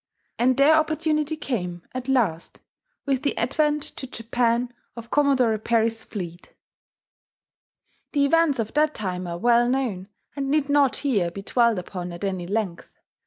And their opportunity came at last with the advent to Japan of Commodore Perry's fleet. The events of that time are well known, and need not here be dwelt upon at any length.